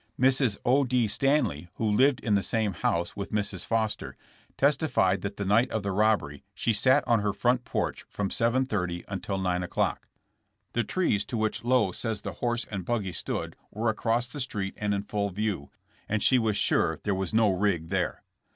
Mrs. 0. D. Stanley who lived in the same house with Mrs. Foster, testified that the night of the rob bery she sat on her front porch from 7:30 until 9 o'clock. The trees to which Lowe says the horse and buggy stood were across the street and in full view, and she was sure there was no rig there.